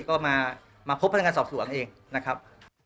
ก็มาพบพนักงานสอบสวนเองนะครับ